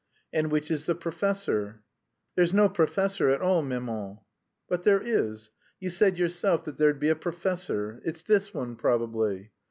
"And which is the professor?" "There's no professor at all, maman." "But there is. You said yourself that there'd be a professor. It's this one, probably."